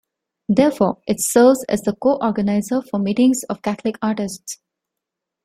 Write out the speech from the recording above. Therefore, it serves as the co-organizer for meetings of Catholic artists.